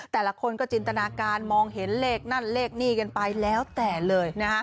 แต่ละคนก็จินตนาการมองเห็นเลขนั่นเลขนี่กันไปแล้วแต่เลย